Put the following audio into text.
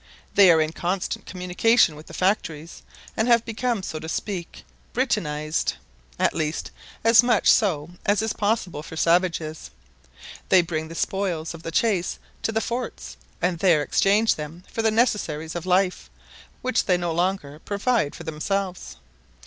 They are in constant communication with the factories, and have become, so to speak, "Britainised" — at least as much so as is possible for savages. They bring the spoils of the chase to the forts, and there exchange them for the necessaries of life, which they no longer provide for themselves.